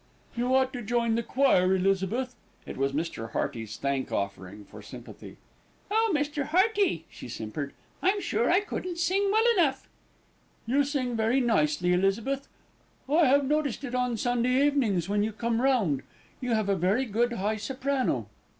"You ought to join the choir, Elizabeth." It was Mr. Hearty's thank offering for sympathy. "Oh, Mr. Hearty!" she simpered. "I'm sure I couldn't sing well enough." "You sing very nicely, Elizabeth. I have noticed it on Sunday evenings when you come round. You have a very good high soprano."